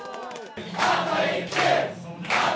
あと１球。